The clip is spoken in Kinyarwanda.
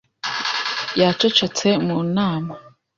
Yacecetse mu nama.